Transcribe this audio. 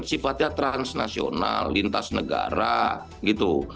sifatnya transnasional lintas negara gitu